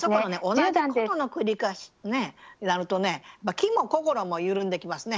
同じことの繰り返しになるとね気も心も緩んできますね。